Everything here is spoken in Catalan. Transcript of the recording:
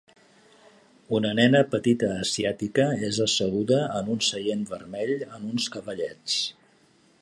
Una nena petita asiàtica és asseguda en un seient vermell en uns cavallets.